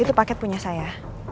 itu paket punya saya